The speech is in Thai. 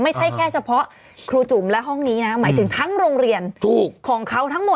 ไม่ใช่แค่เฉพาะครูจุ๋มและห้องนี้นะหมายถึงทั้งโรงเรียนของเขาทั้งหมด